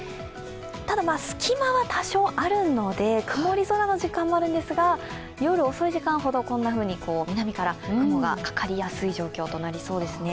ただ、隙間は多少あるので曇り空の時間もあるんですが夜遅い時間ほど、こんなふうに南から雲がかかりやすい状況となりそうです。